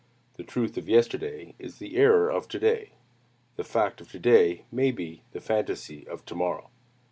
The truth of yesterday is the error of to day. The fact of to day may be the phantasy of to morrow.